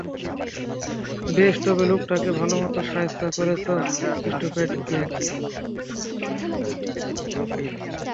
বেশ, তবে লোকটাকে ভালোমতো শায়েস্তা করেছো, স্টেপড্যাড গ্রেগ।